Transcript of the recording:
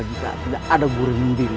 jika tidak ada guru yang membimbing